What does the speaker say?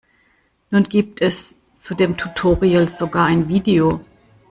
Nun gibt es zu dem Tutorial sogar ein Video.